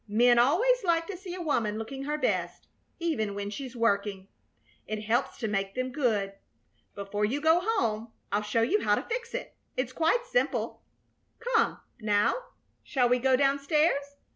Men always like to see a woman looking her best, even when she's working. It helps to make them good. Before you go home I'll show you how to fix it. It's quite simple. Come, now, shall we go down stairs?